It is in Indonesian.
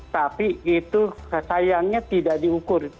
tapi itu sayangnya tidak diukur